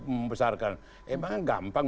membesarkan emangnya gampang